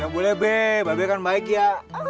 ya boleh be babe kan baik ya